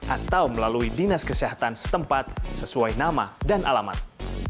atau melalui dinas kesehatan setempat sesuai nama dan alamat